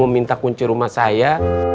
minta kunci rumah saya